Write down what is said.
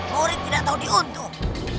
mori tidak tahu diuntung